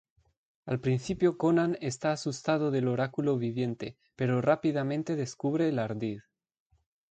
Al principio Conan está asustado del oráculo viviente pero rápidamente descubre el ardid.